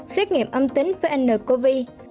xét nghiệm âm tính với ncov